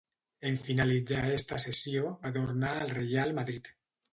En finalitzar esta cessió, va tornar al Reial Madrid.